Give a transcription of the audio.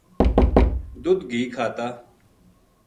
دودھ گھی کھاتا